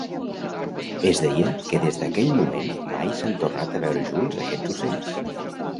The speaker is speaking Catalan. Es deia que des d'aquell moment mai s'han tornat a veure junts aquests ocells.